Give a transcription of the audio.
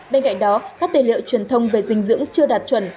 bên cạnh đó các tề liệu truyền thông về dinh dưỡng chưa đạt chuẩn